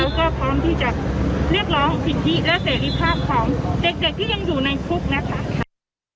เราก็พร้อมที่จะเรียกร้องผิดที่และเศรษฐีภาพของเด็กเด็กที่ยังอยู่ในฟุกนะคะค่ะ